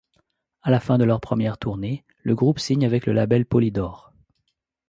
À la fin de leur première tournée, le groupe signe avec le label Polydor.